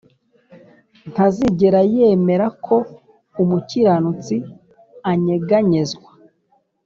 Ntazigera yemera ko umukiranutsi anyeganyezwa